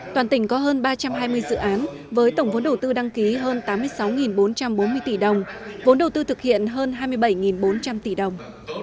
toàn tỉnh có hơn ba trăm hai mươi dự án với tổng vốn đầu tư đăng ký hơn tám mươi sáu bốn trăm bốn mươi tỷ đồng vốn đầu tư thực hiện hơn hai mươi bảy bốn trăm linh tỷ đồng